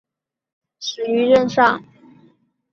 死于任上。